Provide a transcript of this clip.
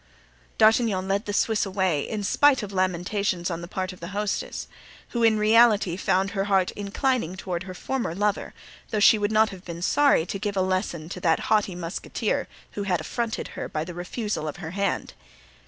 D'Artagnan led away the Swiss in spite of lamentations on the part of the hostess, who in reality found her heart inclining toward her former lover, though she would not have been sorry to give a lesson to that haughty musketeer who had affronted her by the refusal of her hand.